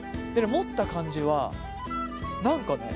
持った感じは何かね